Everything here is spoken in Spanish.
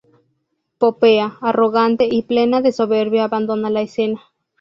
Popea, arrogante y plena de soberbia abandona la escena.